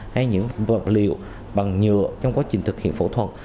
hay những vật liệu bằng nhựa trong quá trình thực hiện phẫu thuật